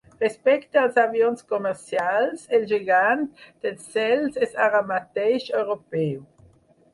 Respecte als avions comercials, el gegant dels cels és ara mateix europeu.